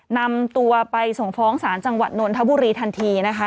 นำตัวไปส่งฟ้องศาลจังหวัดนนทบุรีทันทีนะคะ